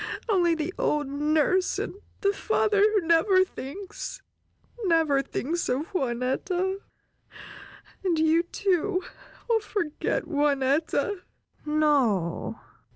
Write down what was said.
Only the old nurse, and the father who never thinks, never thinks of Juanetta! And you, too, will forget Juanetta!" "No!